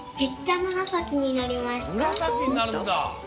むらさきになるんだ！